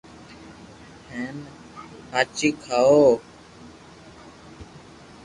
ھون ڀاجي کاوُ